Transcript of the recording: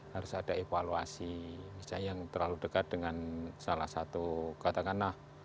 harus ada evaluasi misalnya yang terlalu dekat dengan salah satu katakanlah